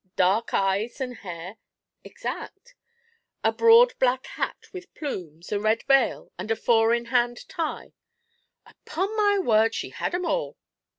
'Dark eyes and hair?' 'Exact.' 'A broad black hat with plumes, a red veil, and four in hand tie?' 'Upon my word, she had 'em all.'